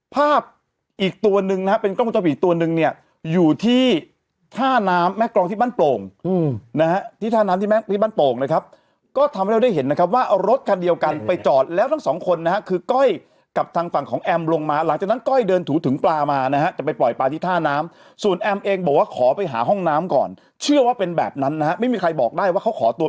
ภาพอีกตัวหนึ่งนะครับเป็นกล้องกุญจบอีกตัวหนึ่งเนี่ยอยู่ที่ท่าน้ำแม่กรองที่บ้านโป่งอืมนะฮะที่ท่าน้ำที่บ้านโป่งนะครับก็ทำให้เราได้เห็นนะครับว่ารถคันเดียวกันไปจอดแล้วทั้งสองคนนะฮะคือก้อยกับทางฝั่งของแอมลงมาหลังจากนั้นก้อยเดินถูกถึงปลามานะฮะจะไปปล่อยปลาที่ท่าน้ำส่วนแอมเองบอกว่า